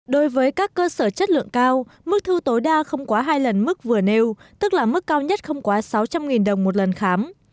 đối với các cơ sở chất lượng cao mức thu tối đa không quá hai lần mức vừa nêu tức là mức cao nhất không quá sáu trăm linh đồng một lần khám